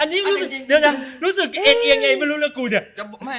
เดี๋ยวน่ะรู้สึกเอ็ดเอียงไง